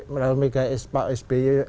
melalui mega pak sby